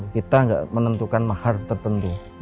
kita nggak menentukan mahar tertentu